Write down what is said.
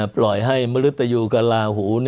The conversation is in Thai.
ปล่อยให้มริตยูกับลาหู